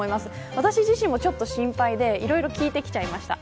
私自身もちょっと心配でいろいろ聞いてきちゃいました。